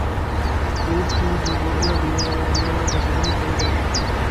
এই ফি দুর্ঘটনা বীমা এবং অন্যান্য প্রশাসনিক খরচ অন্তর্ভুক্ত।